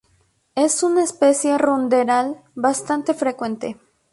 Es una especie ruderal bastante frecuente.